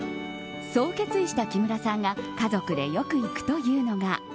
そう決意した木村さんが家族でよく行くというのが。